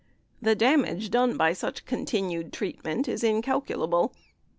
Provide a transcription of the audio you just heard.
The damage done by such continued treatment is incalculable.